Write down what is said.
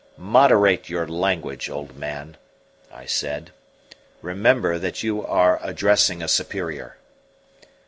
"Moderate your language, old man," I said; "remember that you are addressing a superior."